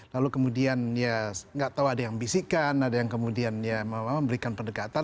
lalu kemudian ya nggak tahu ada yang bisikan ada yang kemudian ya memberikan pendekatan